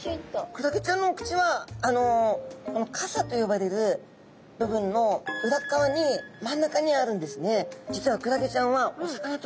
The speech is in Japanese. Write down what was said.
クラゲちゃんのお口はこの傘と呼ばれる部分の裏側に真ん中にあるんですね。